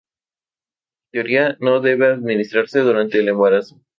En teoría, no debe administrarse durante el embarazo.